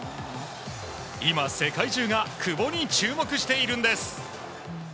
今、世界中が久保に注目しているんです。